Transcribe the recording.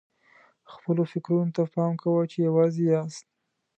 خپلو فکرونو ته پام کوه چې یوازې یاست.